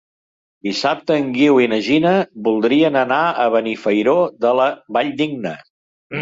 Dissabte en Guiu i na Gina voldrien anar a Benifairó de la Valldigna.